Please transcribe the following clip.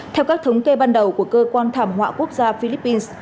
theo các thống kê ban đầu của cơ quan thảm họa quốc gia philippines